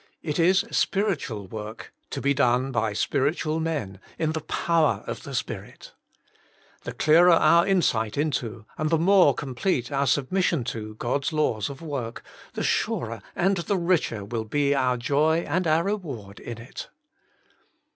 It is spiritual work, to be done by spiritual men, in the power of the Spirit. The clearer our in sight into, and the more complete our sub mission to, God's laws of work, the surer and the richer will be our joy and our reward in it.